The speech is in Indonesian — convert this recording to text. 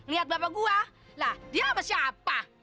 lihat bapak gue lah dia sama siapa